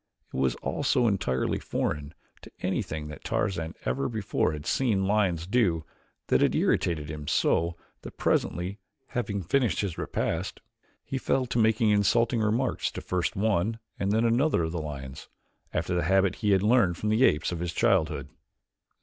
It was all so entirely foreign to anything that Tarzan ever before had seen lions do that it irritated him so that presently, having finished his repast, he fell to making insulting remarks to first one and then another of the lions, after the habit he had learned from the apes of his childhood.